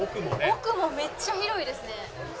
奥もめっちゃ広いですね。